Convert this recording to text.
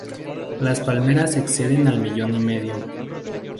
Las palmeras exceden al millón y medio.